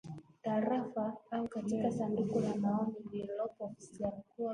Majoka na Pili